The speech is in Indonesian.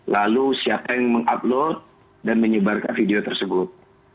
lalu siapa yang mengupload dan menyebarkan video tersebut